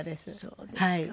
そうですか。